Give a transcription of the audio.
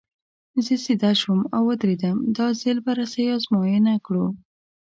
زه سیده شوم او ودرېدم، دا ځل به رسۍ ازموینه کړو.